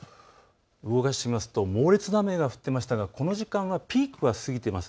動かしますと猛烈な雨が降っていましたがこの時間、ピークは過ぎています。